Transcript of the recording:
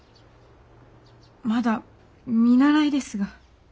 まだ見習いですが。